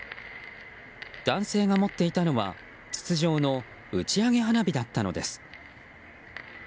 男性が持っていたのは筒状の打ち上げ花火だったのです。